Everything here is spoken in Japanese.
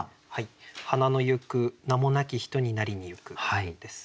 「花野ゆく名もなき人になりにゆく」です。